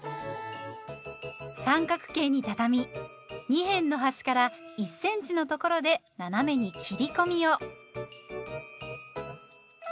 三角形にたたみ二辺の端から１センチのところで斜めに切り込みを。